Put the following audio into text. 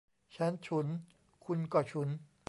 ฉันฉุน คุณก็ฉุน